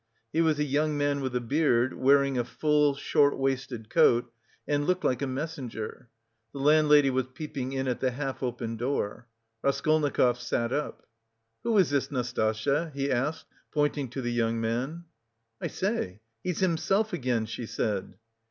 He was a young man with a beard, wearing a full, short waisted coat, and looked like a messenger. The landlady was peeping in at the half opened door. Raskolnikov sat up. "Who is this, Nastasya?" he asked, pointing to the young man. "I say, he's himself again!" she said.